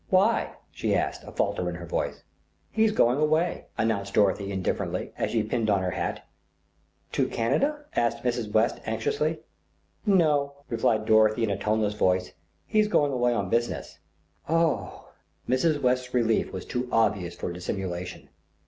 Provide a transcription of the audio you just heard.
"Why?" she asked, a falter in her voice. "He's going away," announced Dorothy indifferently, as she pinned on her hat. "To Canada?" asked Mrs. West anxiously. "No," replied Dorothy in a toneless voice, "he's going away on business." "Oh!" Mrs. West's relief was too obvious for dissimulation.